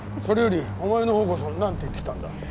それよりお前の方こそなんて言って来たんだ？